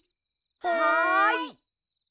はい。